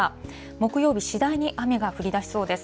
木曜日次第に雨が降りだしそうです。